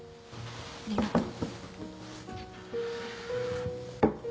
ありがとう。